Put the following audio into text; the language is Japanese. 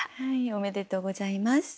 おめでとうございます。